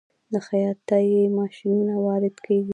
د خیاطۍ ماشینونه وارد کیږي؟